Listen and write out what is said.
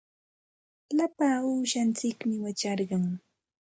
Lapa uushantsikmi wacharqun.